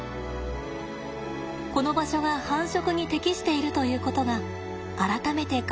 この場所が繁殖に適しているということが改めて確認できました。